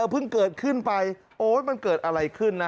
เพิ่งเกิดขึ้นไปโอ๊ยมันเกิดอะไรขึ้นนะ